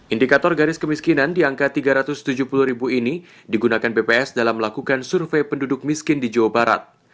indikator garis kemiskinan di angka tiga ratus tujuh puluh ribu ini digunakan bps dalam melakukan survei penduduk miskin di jawa barat